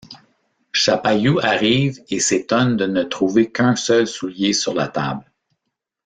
Chapailloux arrive et s'étonne de ne trouver qu'un seul soulier sur la table.